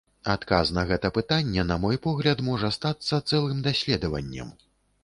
Адказ на гэта пытанне, на мой погляд, можа стацца цэлым даследаваннем.